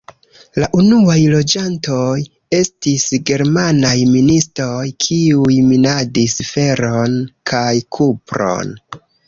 La unuaj loĝantoj estis germanaj ministoj, kiuj minadis feron kaj kupron.